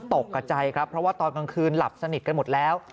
ตกใจครับเพราะว่าตอนกลางคืนหลับสนิทกันหมดแล้ว